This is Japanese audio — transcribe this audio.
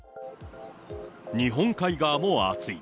日本海側も暑い。